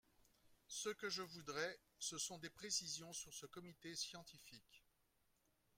Ce que je voudrais, ce sont des précisions sur ce comité scientifique.